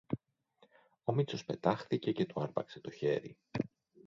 Ο Μήτσος πετάχθηκε και του άρπαξε το χέρι: